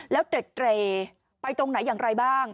แล้วเตร็ดไปตรงไหนอย่างไรบ้าง